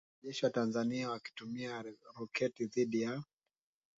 wanajeshi wa Tanzania wakitumia roketi dhidi ya